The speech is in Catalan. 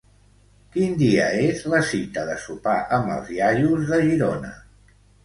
Quin dia és la cita de sopar amb els iaios de Girona?